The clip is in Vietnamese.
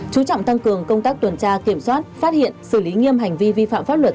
chú trọng tăng cường công tác tuần tra kiểm soát phát hiện xử lý nghiêm hành vi vi phạm pháp luật